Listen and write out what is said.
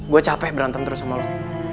gue capek berantem terus sama lo